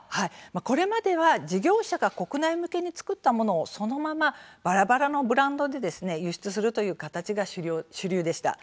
これまでは事業者が国内向けに作ったものをそのままばらばらのブランドで輸出するという形が主流でした。